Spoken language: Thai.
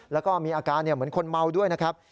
แล้วก็มีอาการเหมือนคนเมาด้วยนะครับ